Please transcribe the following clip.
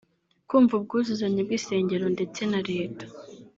Kumva ubwuzuzanye bw’insengero ndetse na leta